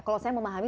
kalau saya memahami